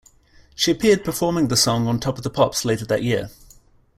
She appeared performing the song on "Top of The Pops" later that year.